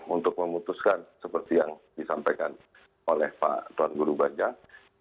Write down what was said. untuk memutuskan seperti yang disampaikan oleh pak tuan guru bajang